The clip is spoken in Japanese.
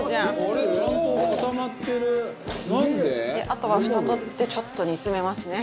あとはふた取ってちょっと煮詰めますね。